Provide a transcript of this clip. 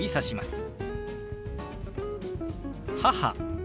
「母」。